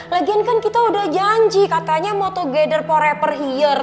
lagian kan kita udah janji katanya mau together forever here